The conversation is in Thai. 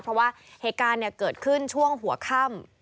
เพราะว่าเหตุการณ์เกิดขึ้นช่วงหัวค่ำ